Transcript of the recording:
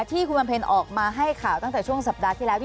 ที่คุณบำเพ็ญออกมาให้ข่าวตั้งแต่ช่วงสัปดาห์ที่แล้ว